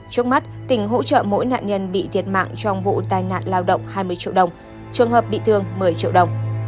trước mắt tỉnh hỗ trợ mỗi nạn nhân bị thiệt mạng trong vụ tai nạn lao động hai mươi triệu đồng trường hợp bị thương một mươi triệu đồng